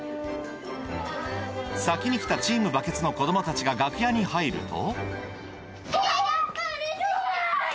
先に来たチーム・バケツの子供たちが楽屋に入るとヤバい！